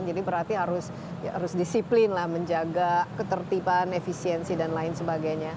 jadi berarti harus disiplin lah menjaga ketertiban efisiensi dan lain sebagainya